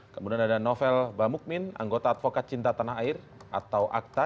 kemudian ada novel bamukmin anggota advokat cinta tanah air atau akta